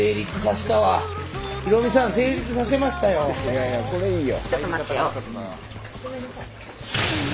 いやいやこれいいよ。